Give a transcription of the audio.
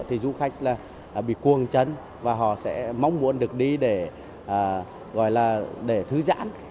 thì dù khách bị cuồng chân và họ sẽ mong muốn được đi để thư giãn